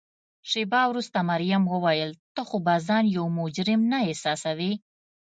شیبه وروسته مريم وویل: ته خو به ځان یو مجرم نه احساسوې؟